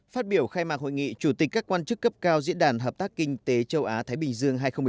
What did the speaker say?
phát biểu khai mạc hội nghị chủ tịch các quan chức cấp cao diễn đàn hợp tác kinh tế châu á thái bình dương hai nghìn một mươi tám